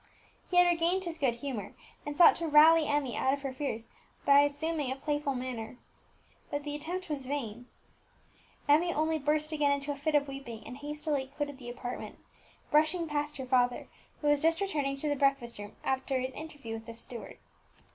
He had regained his good humour, and sought to rally Emmie out of her fears by assuming a playful manner. But the attempt was vain; Emmie only burst again into a fit of weeping, and hastily quitted the apartment, brushing past her father, who was just returning to the breakfast room after his interview with his steward.